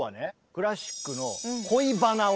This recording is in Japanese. クラシックの恋バナを。